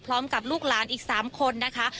พร้อมกับลูกหลานอีกสามคนนะคะ